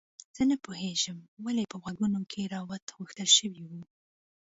زه نه پوهیږم ولې په غوږونو کې روات غوښتل شوي وو